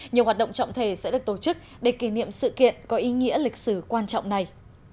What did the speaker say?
nhiều hoạt động trọng thể sẽ được tổ chức để kỷ niệm sự kiện có ý nghĩa lịch sử quan trọng này